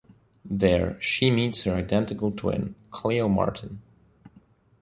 There, she meets her identical twin, Clio Martin.